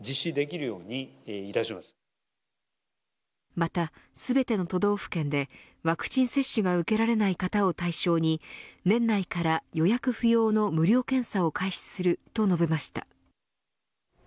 また全ての都道府県でワクチン接種が受けられない方を対象に年内から予約不要の無料検査を開始すると述べました。